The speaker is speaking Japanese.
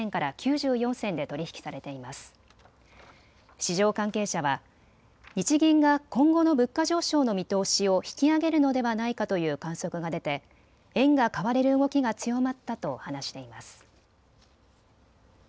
市場関係者は日銀が今後の物価上昇の見通しを引き上げるのではないかという観測が出て、円が買われる動きが強まったと話しています。